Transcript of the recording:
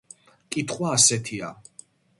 კითხვა ასეთია.